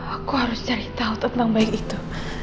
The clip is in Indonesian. aku harus cari tahu tentang bayi itu